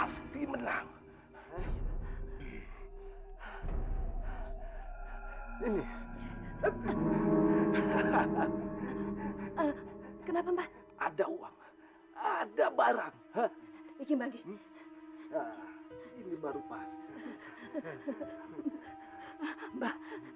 saya kenal dia saya artinya